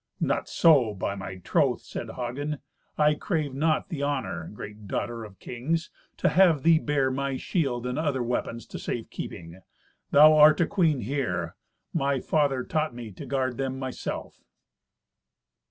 "Not so, by my troth," said Hagen; "I crave not the honour, great daughter of kings, to have thee bear my shield and other weapons to safe keeping. Thou art a queen here. My father taught me to guard them myself."